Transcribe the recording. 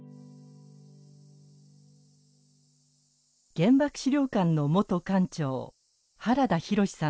原爆資料館の元館長原田浩さんです。